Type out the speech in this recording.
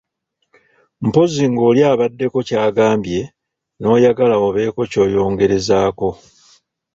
Mpozzi ng’oli abaddeko ky’agambye n’oyagala obeeko ky’oyongerezako.